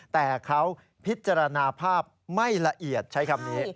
แต่เขาพิจารณาภาพไม่ละเอียดใช้คำนี้